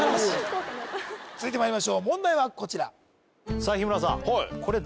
こうかなと続いてまいりましょう問題はこちらさあ日村さん